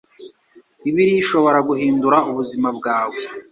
bibiliya ishobora guhindura ubuzima bwawe